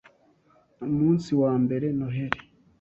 Umunsi wambere Noheri